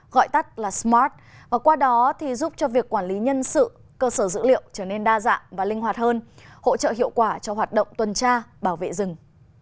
gọi tắt là smart và qua đó thì giúp cho việc quản lý nhân sự cơ sở dữ liệu trở nên đa dạng và linh hoạt hơn hỗ trợ hiệu quả cho hoạt động tuần tra bảo vệ rừng